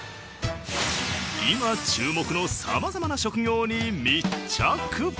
今注目のさまざまな職業に密着！